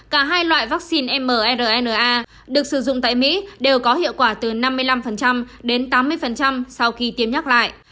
cả hai loại vaccine mrna được sử dụng tại mỹ đều có hiệu quả từ năm mươi năm đến tám mươi sau khi tiêm nhắc lại